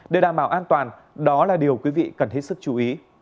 để đảm bảo an toàn đó là điều quý vị cần hết sức chú ý